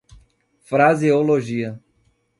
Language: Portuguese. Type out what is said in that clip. fraseologia